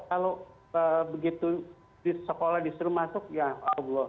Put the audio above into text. kalau begitu di sekolah disuruh masuk ya allah